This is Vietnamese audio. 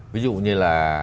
ví dụ như là